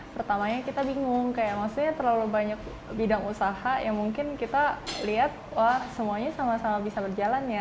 pertamanya kita bingung kayak maksudnya terlalu banyak bidang usaha yang mungkin kita lihat wah semuanya sama sama bisa berjalan ya